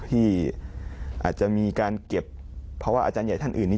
ที่อาจจะมีการเก็บเพราะว่าอาจารย์ใหญ่ท่านอื่นนี้